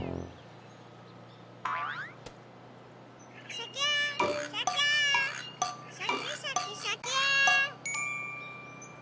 シャキーンシャキーン！シャキシャキシャキーン！